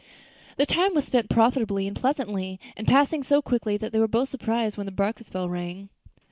The time was spent profitably and pleasantly, and passed so quickly that both were surprised when the breakfast bell rang.